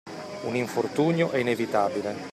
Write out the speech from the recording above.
Un infortunio è inevitabile.